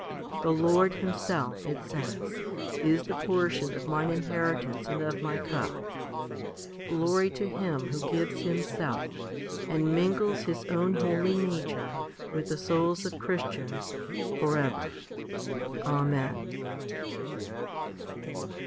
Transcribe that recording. The Lord Himself, it says, is the portion of mine inheritance and of my cup. 1 Glory to Him who gives Himself, and mingles His own holy nature with the souls of Christians, for ever. Amen.